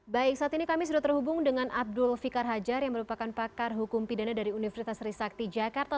baik saat ini kami sudah terhubung dengan abdul fikar hajar yang merupakan pakar hukum pidana dari universitas trisakti jakarta